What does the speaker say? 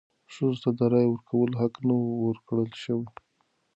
ښځو ته د رایې ورکولو حق نه و ورکړل شوی.